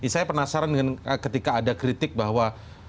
saya penasaran dengan ketika ada kritik bahwa